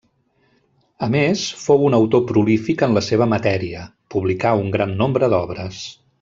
A més, fou un autor prolífic en la seva matèria, publicà un gran nombre d'obres.